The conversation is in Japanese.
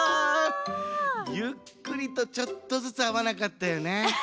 ゆっくりとちょっとずつあわなかったよね。